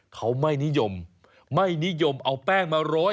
เขาไม่นิยมไม่นิยมเอาแป้งมาโรย